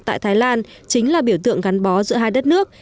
tại thái lan chính là biểu tượng gắn bó giữa hai đất nước